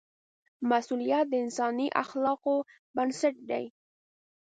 مسؤلیت د انساني اخلاقو بنسټ دی.